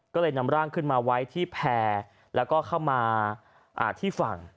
ก็เลยนำร่างขึ้นมาไว้ที่แพร่แล้วก็เข้ามาที่ฝั่ง